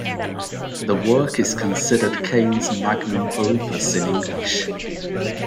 The work is considered Kane's magnum opus in English.